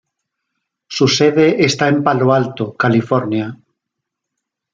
Su sede está en Palo Alto, California.